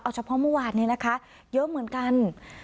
เฉพาะเมื่อวานนี้นะคะเยอะเหมือนกัน